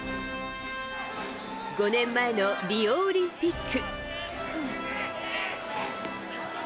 ５年前のリオオリンピック。